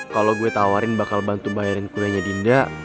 kalau gue tawarin bakal bantu bayarin kuliahnya dinda